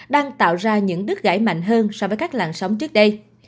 đang tạo ra những đứt gãy mạnh hơn so với các làn sóng trước đây